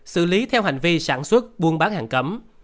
xử lý theo hành vi sản xuất buôn bán hàng cấm